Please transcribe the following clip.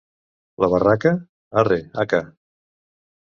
La Barraca? Arre, haca!